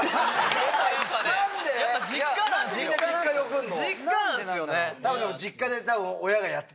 何でみんな実家に送るの？